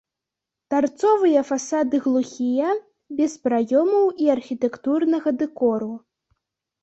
Тарцовыя фасады глухія, без праёмаў і архітэктурнага дэкору.